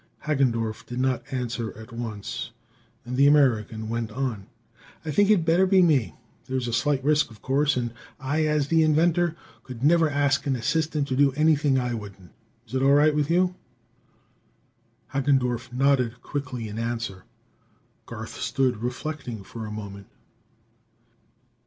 Hagendorff did not answer at once, and the American went on: "I think it'd better be me. There's a slight risk, of course, and I, as the inventor, could never ask an assistant to do anything I wouldn't. Is it all right with you?" Hagendorff nodded quickly in answer. Garth stood reflecting for a moment.